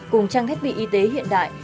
cùng trang thết bị y tế hiện đại